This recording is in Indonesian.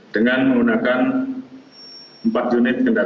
dengan menggunakan empat unit kendaraan